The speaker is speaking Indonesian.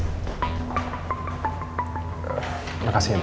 dan jangan lupa subscribe yaa